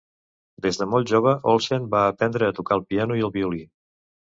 Des de molt jove Olsen va aprendre a tocar el piano i el violí.